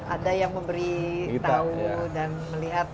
ada yang memberi tahu dan melihat